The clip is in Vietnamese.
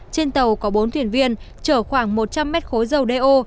trên tàu có bốn thuyền viên trở khoảng một trăm linh m khối dầu do